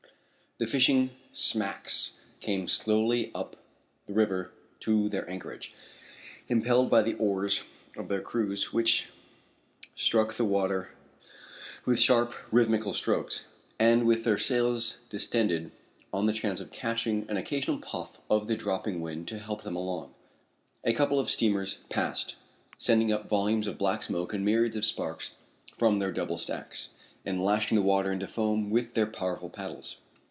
The fishing smacks came slowly up the river to their anchorage, impelled by the oars of their crews which struck the water with sharp, rhythmical strokes, and with their sails distended on the chance of catching an occasional puff of the dropping wind to help them along. A couple of steamers passed, sending up volumes of black smoke and myriads of sparks from their double stacks, and lashing the water into foam with their powerful paddles.